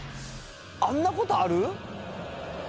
あんなことある！？